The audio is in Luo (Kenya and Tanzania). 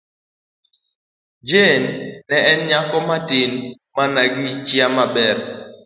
Jane ne en nyako matin man gi chia maber.